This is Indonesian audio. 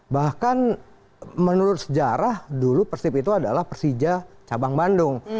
bahkan menurut sejarah dulu persib itu adalah persija cabang bandung